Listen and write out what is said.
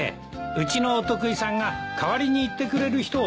うちのお得意さんが代わりに行ってくれる人を探してるんですよ。